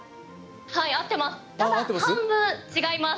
合ってます。